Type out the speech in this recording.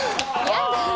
やだ！